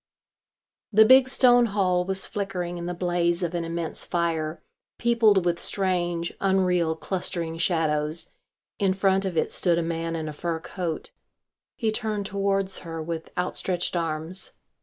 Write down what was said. The big stone hall was flickering in the blaze of an immense fire, peopled with strange, unreal, clustering shadows. In front of it stood a man in a fur coat. He turned towards her with outstretched arms.